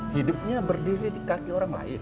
hidupnya berdiri di kaki orang lain